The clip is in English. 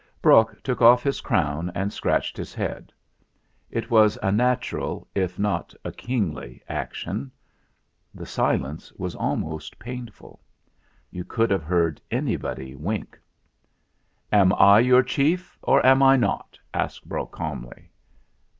Brok took off his crown and scratched his head. It was a natural, if not a kingly, action. The silence was almost painful. You could have heard anybody wink. "Am I your chief, or am I not?" asked Brok calmly.